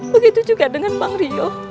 begitu juga dengan bang rio